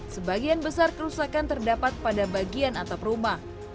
sebagian besar kerusakan terdapat pada bagian atap rumah